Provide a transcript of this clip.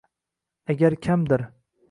Agar kamdir